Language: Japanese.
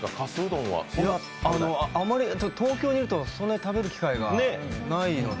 東京にいるとそんなに食べる機会がないので。